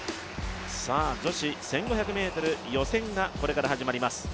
女子１５００ｍ予選がこれから始まります。